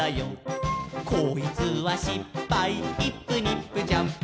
「こいつはしっぱいイップニップジャンプ」